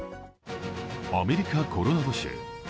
アメリカ・コロラド州。